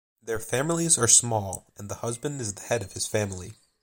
Their families are small, and the husband is the head of his family.